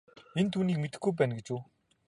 Энэ түүнийг мэдэхгүй байна гэж үү.